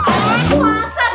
kalo enggak itu puasa